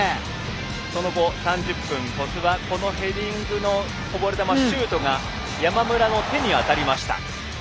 その後、３０分ヘディングのこぼれ球が山村の手に当たりました。